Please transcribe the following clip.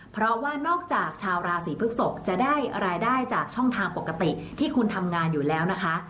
เพราะว่านอกจากชาวราศีพฤกษกจะได้รายได้จากช่องทางปกติที่คุณทำงานอยู่แล้วนะคะ